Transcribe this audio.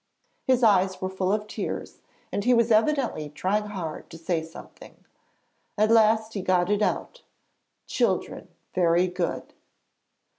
His eyes were full of tears, and he was evidently trying hard to say something. At last he got it out: 'Children very good.'